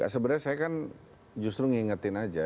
sebenarnya saya kan justru ngingetin aja